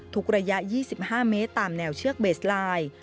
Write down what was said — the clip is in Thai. ระยะ๒๕เมตรตามแนวเชือกเบสไลน์